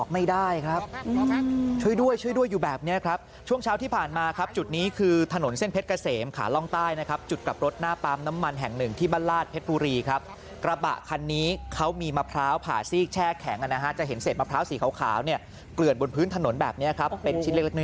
มีคนติดข้างในนี้๓ร่างด้วยกัน